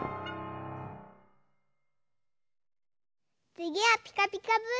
つぎは「ピカピカブ！」だよ。